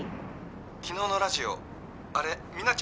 「昨日のラジオあれミナちゃんだよね？」